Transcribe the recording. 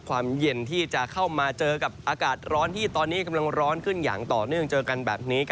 ความเย็นที่จะเข้ามาเจอกับอากาศร้อนที่ตอนนี้กำลังร้อนขึ้นอย่างต่อเนื่องเจอกันแบบนี้